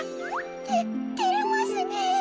ててれますねえ。